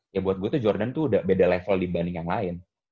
ya buat gue tuh jordan tuh udah beda level dibanding yang lain